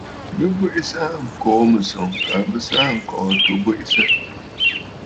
Bɨ bweʼesə aa ŋkòò mɨ̀sɔ̀ŋ, kaa bɨ sɨ aa ŋ̀kɔ̀lɔ̂ àtu bweʼesə.